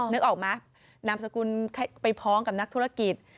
นึกออกไหมนามสกุลไปพ้องกับนักธุรกิจ